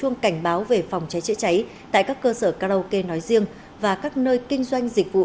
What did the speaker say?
nói riêng và các nơi kinh doanh dịch vụ